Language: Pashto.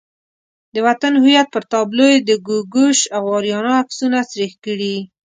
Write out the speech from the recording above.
د وطن هویت پر تابلو یې د ګوګوش او آریانا عکسونه سریښ کړي.